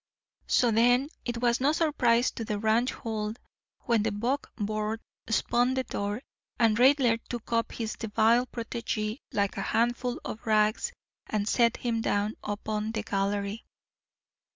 So, then, it was no surprise to the ranchhold when the buckboard spun to the door, and Raidler took up his debile protégé like a handful of rags and set him down upon the gallery.